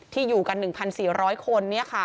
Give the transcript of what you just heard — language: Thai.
อยู่กัน๑๔๐๐คน